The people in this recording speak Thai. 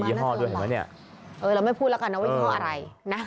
มียี่ห้อด้วยเหรอเราไม่พูดแล้วกันว่ายี่ห้ออะไร